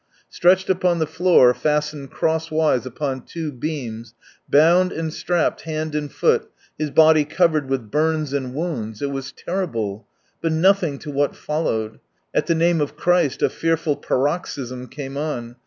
Stretched upon the floor, fastened crosswise upon two beams, bound and strapped hand and foot, his body covered with burns and wounds — it was terrible. ... But nothing to what followed. At ihe name of Christ a fearful paroxysm came on.